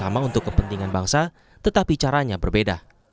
sama untuk kepentingan bangsa tetapi caranya berbeda